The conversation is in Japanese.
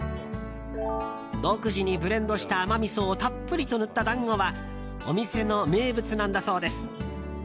独自にブレンドした甘みそをたっぷりと塗った団子はお店の名物なんだそうです。